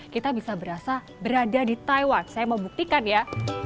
kita bisa berasa berada di taiwan saya mau buktikan ya